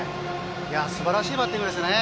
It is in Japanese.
すばらしいバッティングです。